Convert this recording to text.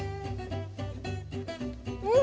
うん！